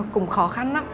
cũng khó khăn lắm